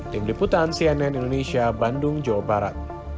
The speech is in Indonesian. jangan lupa like share dan subscribe ya